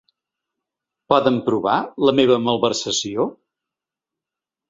Poden provar la meva malversació?